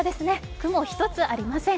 雲１つありません。